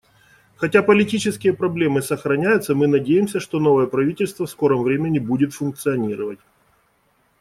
Хотя политические проблемы сохраняются, мы надеемся, что новое правительство в скором времени будет функционировать.